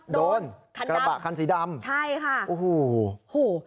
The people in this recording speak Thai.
โดนกระบะคันสีดำใช่ค่ะโอ้โห